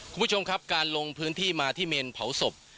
คุณผู้ชมครับการลงพื้นที่มาที่เมนเผาศพ